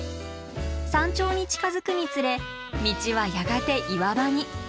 山頂に近づくにつれ道はやがて岩場に。